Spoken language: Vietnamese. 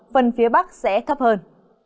phần phía bắc sẽ thấp hơn